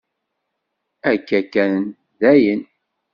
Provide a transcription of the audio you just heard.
Akka kan, dayen.